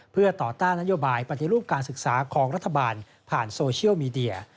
เพื่อต่อต้านนโยบายปฏิรูปการศึกษาของรัฐบาลผ่านโซเชียลมีเดีย